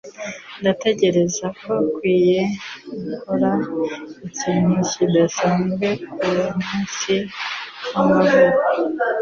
Ndatekereza ko dukwiye gukora ikintu kidasanzwe kumunsi wamavuko.